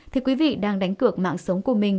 thì quý vị đang đánh cược mạng sống của mình